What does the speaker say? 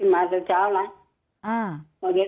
มาเช้านะ